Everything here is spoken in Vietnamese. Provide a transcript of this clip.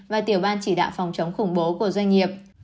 và tiểu ban chỉ đạo phòng chống khủng bố của doanh nghiệp